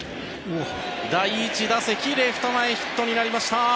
第１打席レフト前ヒットになりました。